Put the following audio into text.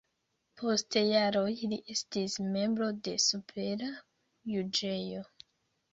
Post jaroj li estis membro de supera juĝejo.